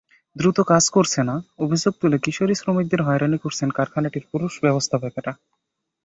দ্রুত কাজ করছে না—অভিযোগ তুলে কিশোরী শ্রমিকদের হয়রানি করছেন কারখানাটির পুরুষ ব্যবস্থাপকেরা।